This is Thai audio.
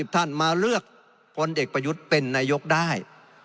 ท่านมาเลือกพลเอกประยุทธ์เป็นนายกได้